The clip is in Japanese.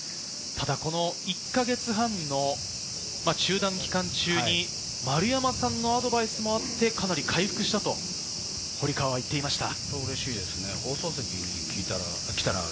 この１か月半の中断期間中に丸山さんのアドバイスもあって、かなり回復したと、堀川は言っていました。